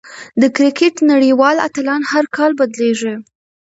د کرکټ نړۍوال اتلان هر کال بدلېږي.